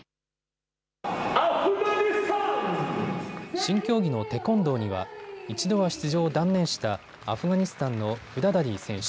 新競技のテコンドーには一度は出場を断念したアフガニスタンのフダダディ選手。